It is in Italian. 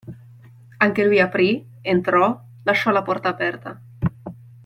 Anche lui aprì, entrò, lasciò la porta aperta.